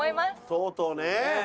とうとうね。